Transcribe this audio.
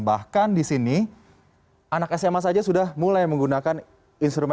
bahkan di sini anak sma saja sudah mulai menggunakan instrumen